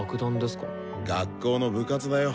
学校の部活だよ。